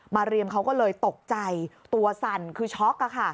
เรียมเขาก็เลยตกใจตัวสั่นคือช็อก